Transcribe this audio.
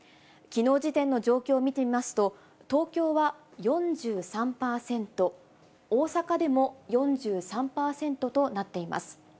きのう時点の状況を見てみますと、東京は４３％、大阪でも４３％となっています。